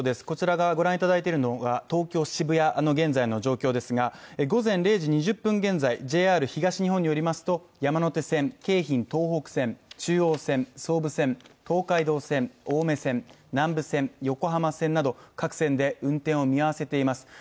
こちらがご覧いただいてるのが、東京・渋谷の現在の状況ですが午前０時２０分現在、ＪＲ東日本によりますと、山手線、京浜東北線、中央線、総武線、東海道線、青梅線、南武線、横浜線など各線で運転を見合わせています。